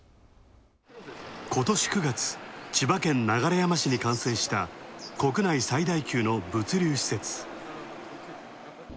今年９月、千葉県流山市に完成した、国内最大級の物流施設。